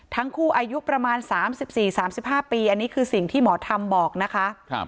อายุประมาณ๓๔๓๕ปีอันนี้คือสิ่งที่หมอทำบอกนะคะ